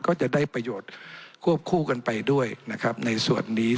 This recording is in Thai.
ก็จะได้ประโยชน์ควบคู่กันไปด้วยนะครับในส่วนนี้